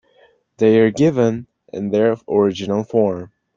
They are given in their original form.